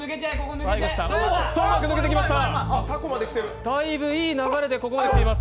抜けてきました、だいぶいい流れでここまできています。